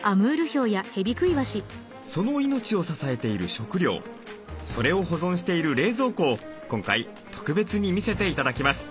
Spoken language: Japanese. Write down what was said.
その命を支えている食料それを保存している冷蔵庫を今回特別に見せて頂きます。